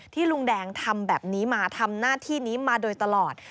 ลุงแดงทำแบบนี้มาทำหน้าที่นี้มาโดยตลอด